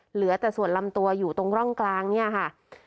เหลือแต่ส่วนลำตัวอยู่ตรงร่องกลางเนี่ยค่ะ